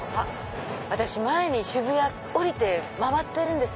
前渋谷降りて回ってるんです。